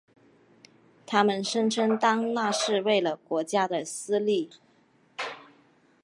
他们声称当那是为了国家的私利。